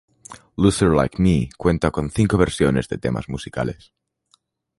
Loser Like Me cuenta con cinco versiones de temas musicales.